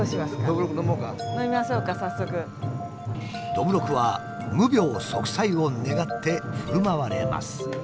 どぶろくは無病息災を願ってふるまわれます。